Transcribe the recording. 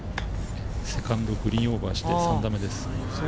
セカンドはグリーンオーバーして３打目です。